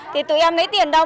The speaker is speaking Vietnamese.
thì tụi em lấy tiền đâu